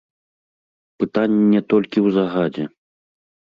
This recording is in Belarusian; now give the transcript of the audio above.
Пытанне толькі ў загадзе.